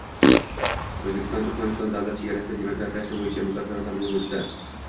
O‘zbekiston-Turkmaniston davlat chegarasi demarkatsiyasi bo‘yicha muzokaralar bo‘lib o‘tdi